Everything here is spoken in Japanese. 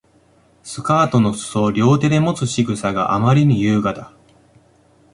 スカートの裾を両手でもつ仕草があまりに優雅だ